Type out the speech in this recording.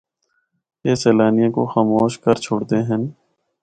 اے سیلانیاں کو خاموش کر چُھڑدے ہن۔